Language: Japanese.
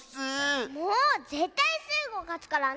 もうぜったいスイ子かつからね！